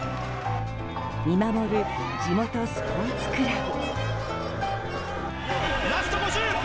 見守る地元スポーツクラブ。